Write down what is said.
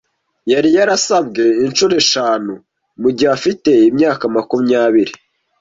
Yari yarasabwe inshuro eshanu mugihe afite imyaka makumyabiri.